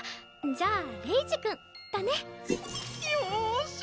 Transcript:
じゃあレイジ君だね。